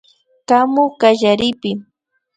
Kamu kallaripi